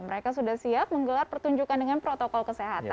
mereka sudah siap menggelar pertunjukan dengan protokol kesehatan